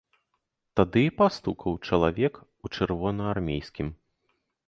Тады і пастукаў чалавек у чырвонаармейскім.